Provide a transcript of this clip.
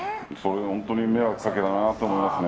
本当に迷惑かけたなと思いますね。